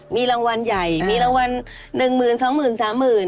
มีรางวัลใหญ่มีรางวัล๑หมื่น๒หมื่น๓หมื่น